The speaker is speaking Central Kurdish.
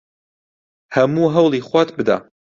هەموو هەوڵی خۆت بدە!